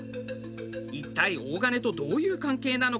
一体大金とどういう関係なのか？